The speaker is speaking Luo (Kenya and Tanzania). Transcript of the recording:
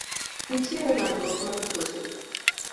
Nitiere landruok mar tuoche.